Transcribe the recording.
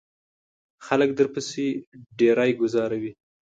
خلک درپسې ډیری گوزاروي.